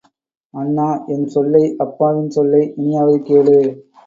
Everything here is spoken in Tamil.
அண்ணா, என் சொல்லை, அப்பாவின் சொல்லை இனியாவது கேளு.